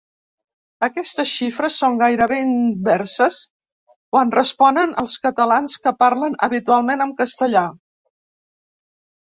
Aquestes xifres són gairebé inverses quan responen els catalans que parlen habitualment castellà.